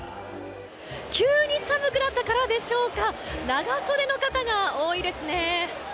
急に寒くなったからでしょうか長袖の方が多いですね。